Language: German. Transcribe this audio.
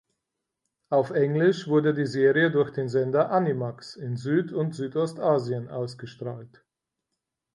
Auf Englisch wurde die Serie durch den Sender Animax in Süd- und Südostasien ausgestrahlt.